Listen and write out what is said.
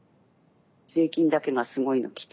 税金だけがすごいの来て。